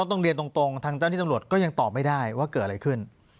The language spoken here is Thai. ต้องเรียนตรงทางเจ้าที่ตำรวจก็ยังตอบไม่ได้ว่าเกิดอะไรขึ้น